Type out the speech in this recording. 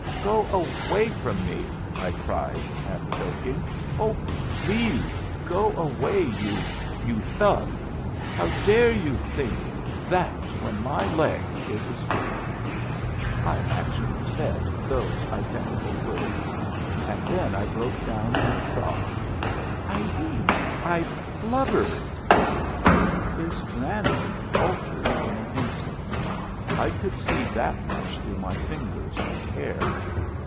"Go away from me," I cried, half choking. "O please go away, you you Thug! How dare you think that when my leg is asleep?" I actually said those identical words! And then I broke down and sobbed. Irene, I blubbered! His manner altered in an instant I could see that much through my fingers and hair.